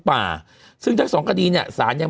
มันติดคุกออกไปออกมาได้สองเดือน